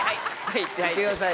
いってください